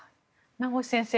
名越先生